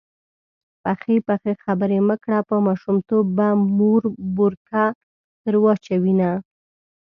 پخې پخې خبرې مه کړه_ په ماشومتوب به مور بورکه در واچوینه